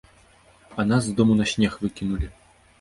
А нас з дому на снег выкінулі.